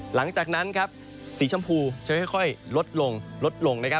หลังจากนั้นสีชมพูจะค่อยลดลงลดลง